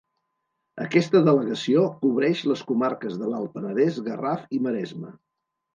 Aquesta delegació cobreix les comarques de l'Alt Penedès, Garraf i Maresme.